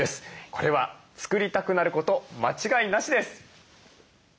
これは作りたくなること間違いなしです。